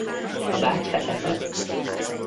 A báb fekete.